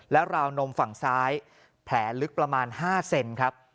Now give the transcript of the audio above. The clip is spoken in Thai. แล้วราวนมฝั่งซ้ายแผลลึกประมาณ๕เซนครับ